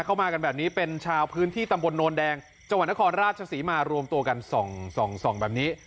มากันแบบนี้เป็นชาวพื้นที่ตำบลโนนแดงจังหวัดนครราชศรีมารวมตัวกันส่องแบบนี้